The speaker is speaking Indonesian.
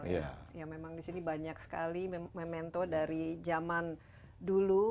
ya memang di sini banyak sekali memento dari zaman dulu